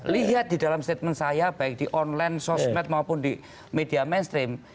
lihat di dalam statement saya baik di online sosmed maupun di media mainstream